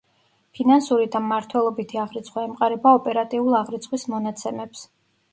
ფინანსური და მმართველობითი აღრიცხვა ემყარება ოპერატიულ აღრიცხვის მონაცემებს.